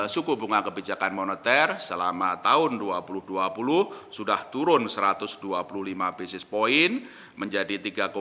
suku bunga kebijakan moneter selama tahun dua ribu dua puluh sudah turun satu ratus dua puluh lima basis point menjadi tiga tujuh